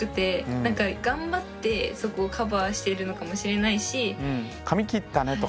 なんか頑張ってそこをカバーしてるのかもしれないし。